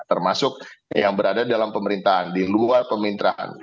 termasuk yang berada dalam pemerintahan di luar pemerintahan